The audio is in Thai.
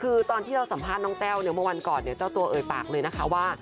คือตอนที่เราสัมภาษณ์น้องแต้วเนี่ยเมื่อวันก่อนเนี่ยเจ้าตัวเอ่ยปากเลยนะคะว่า